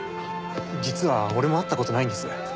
実は俺も会った事ないんです。